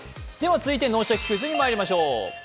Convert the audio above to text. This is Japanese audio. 続いて「脳シャキ！クイズ」にまいりましょう。